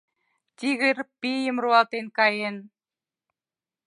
— Тигр пийым руалтен каен.